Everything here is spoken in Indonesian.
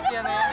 gitu ya nek